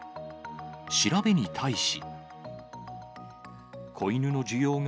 調べに対し。